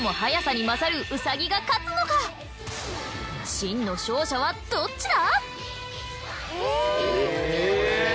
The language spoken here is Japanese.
真の勝者はどっちだ？